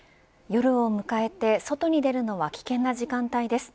夜を迎えて外に出るのは危険な時間帯です。